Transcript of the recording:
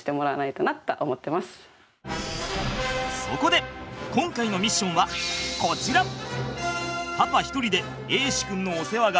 そこで今回のミッションはこちら！